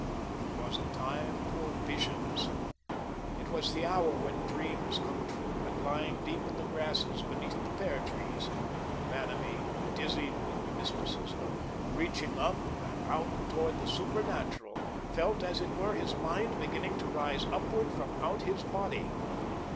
It was a time for visions. It was the hour when dreams come true, and lying deep in the grasses beneath the pear trees, Vanamee, dizzied with mysticism, reaching up and out toward the supernatural, felt, as it were, his mind begin to rise upward from out his body.